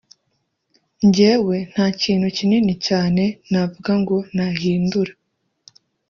Njyewe nta kintu kinini cyane navuga ngo nahindura